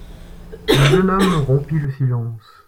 Le jeune homme rompit le silence.